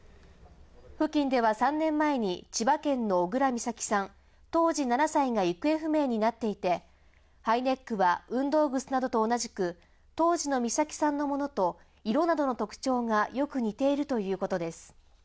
付近では３年前に千葉県の小倉美咲さん、当時７歳が行方不明になっていて、ハイネックは運動靴などと同じく当時の美咲さんのものと色などの特徴がよく似ているということです。